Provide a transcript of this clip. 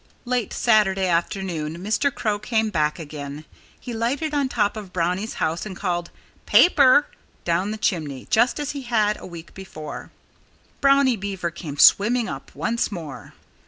Late Saturday afternoon Mr. Crow came back again. He lighted on top of Brownie's house and called "Paper!" down the chimney, just as he had a week before. Brownie Beaver came swimming up once more.